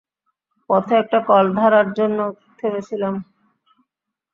পথে একটা কল ধারার জন্য থেমেছিলাম।